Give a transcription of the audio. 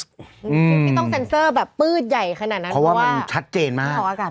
สิ่งที่ต้องเซ็นเซอร์แบบปื๊ดใหญ่ขนาดนั้นเพราะว่ามันชัดเจนมาก